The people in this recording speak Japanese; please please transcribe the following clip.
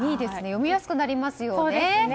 読みやすくなりますよね。